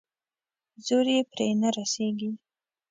زور يې پرې نه رسېږي.